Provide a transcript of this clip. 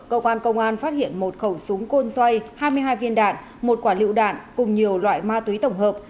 cơ quan công an phát hiện một khẩu súng côn xoay hai mươi hai viên đạn một quả lựu đạn cùng nhiều loại ma túy tổng hợp